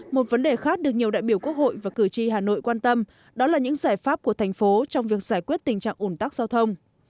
một vấn đề khác được nhiều đại biểu quốc hội và cử tri hà nội quan tâm đó là những giải pháp của thành phố trong việc giải quyết tình trạng ủn tắc giao thông